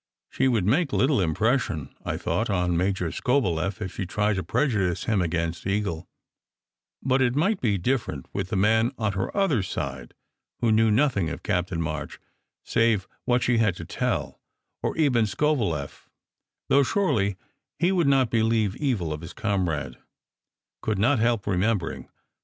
She would make little im pression, I thought, on Major Skobeleff if she tried to prej udice him against Eagle; but it might be different with the man on her other side, who knew nothing of Captain March save what she had to tell; and even Skobeleff though surely he would not believe evil of his comrade could not help remembering.